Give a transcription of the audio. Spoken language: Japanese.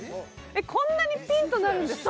こんなにピーンとなるんですか？